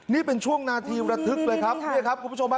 นี่เป็นช่วงนาทีระทึกเลยครับนี่ครับคุณผู้ชมฮะ